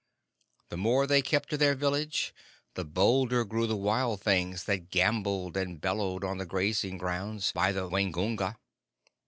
The more they kept to their village, the bolder grew the wild things that gamboled and bellowed on the grazing grounds by the Waingunga.